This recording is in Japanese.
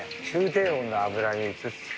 低温の油に移す。